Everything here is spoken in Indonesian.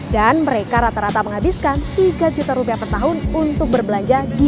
dan mereka rata rata menghabiskan tiga juta rupiah per tahun untuk berbelanja secara daring